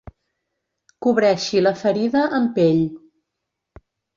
Cobreixi la ferida amb pell.